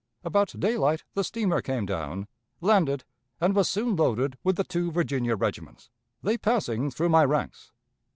About daylight the steamer came down, landed, and was soon loaded with the two Virginia regiments, they passing through my ranks.